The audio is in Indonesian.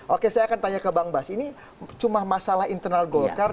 oke saya akan tanya ke bang bas ini cuma masalah internal golkar